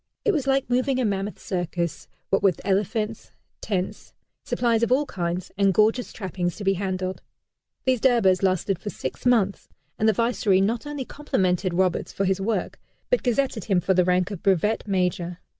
It was like moving a mammoth circus, what with elephants, tents, supplies of all kinds, and gorgeous trappings to be handled. These Durbars lasted for six months, and the Viceroy not only complimented Roberts for his work, but gazetted him for the rank of Brevet Major.